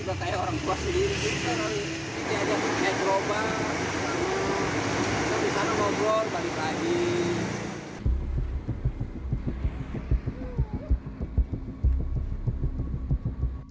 dia ada di kerobak di sana ngobrol balik lagi